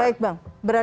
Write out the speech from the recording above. baik bang berarti